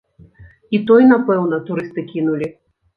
І той, напэўна, турысты кінулі.